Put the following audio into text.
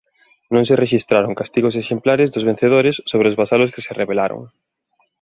Non se rexistraron "castigos exemplares" dos vencedores sobre os vasalos que se rebelaron.